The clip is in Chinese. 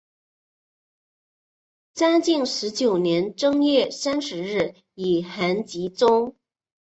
嘉靖十九年正月三十日以寒疾终。